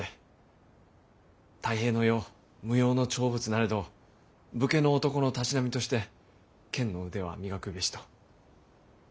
太平の世無用の長物なれど武家の男のたしなみとして剣の腕は磨くべしと。